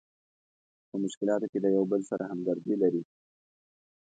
په مشکلاتو کې د یو بل سره همدردي لري.